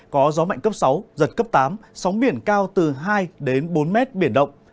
có gió mạnh cấp sáu giật cấp tám sóng biển cao từ hai đến bốn mét biển động